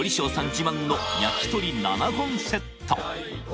自慢の焼き鳥７本セット